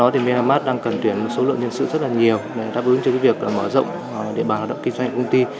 do đó meramat đang cần tuyển một số lượng nhân sự rất là nhiều để đáp ứng cho việc mở rộng địa bàn lao động kinh doanh của công ty